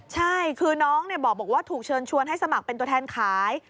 ใช่คือน้องบอกว่าถูกเชิญชวนให้สมัครเป็นตัวแทนขาย